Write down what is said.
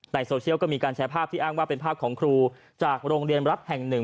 โซเชียลก็มีการแชร์ภาพที่อ้างว่าเป็นภาพของครูจากโรงเรียนรัฐแห่งหนึ่ง